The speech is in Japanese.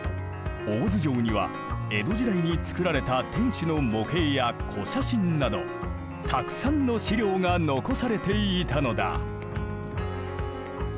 大洲城には江戸時代につくられた天守の模型や古写真などたくさんの史料が残されていたのだ。